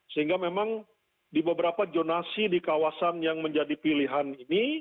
sehingga memang di beberapa jonasi di kawasan yang menjadi pilihan ini